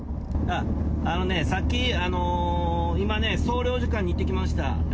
あのね、さっき、今ね、総領事館に行ってきました。